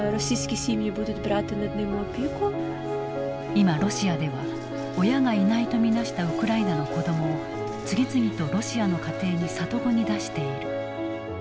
今ロシアでは親がいないと見なしたウクライナの子どもを次々とロシアの家庭に里子に出している。